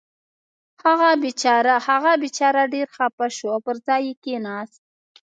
هغه بېچاره ډېر خفه شو او پر ځای کېناست.